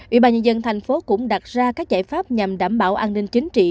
ủy ban nhân dân thành phố cũng đặt ra các giải pháp nhằm đảm bảo an ninh chính trị